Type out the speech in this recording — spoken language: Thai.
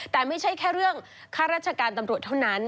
แต่ไม่ใช่แค่เรื่องข้าราชการตำรวจเท่านั้น